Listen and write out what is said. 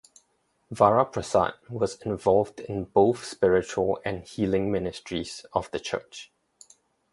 Vara Prasad was involved in both spiritual and healing ministries of the Church.